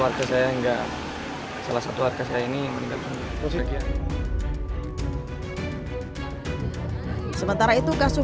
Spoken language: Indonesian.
warga saya enggak salah satu warga saya ini meninggal sementara itu kasus